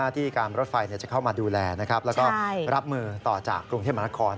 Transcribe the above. ที่การรถไฟจะเข้ามาดูแลแล้วก็รับมือต่อจากกรุงเทพมหานคร